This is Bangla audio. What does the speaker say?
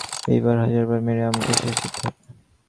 এইবার, হাজারবার মেরে আমাকে শেষ করতে হবে।